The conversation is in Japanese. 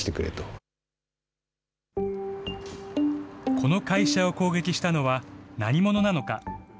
この会社を攻撃したのは、何者なのか。